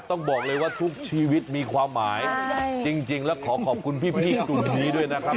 ต้องบอกเลยว่าทุกชีวิตมีความหมายจริงแล้วขอขอบคุณพี่กลุ่มนี้ด้วยนะครับ